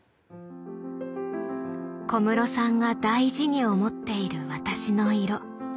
小室さんが大事に思っている私の色。